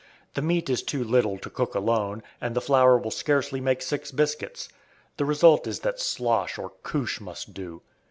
The meat is too little to cook alone, and the flour will scarcely make six biscuits. The result is that "slosh" or "coosh" must do.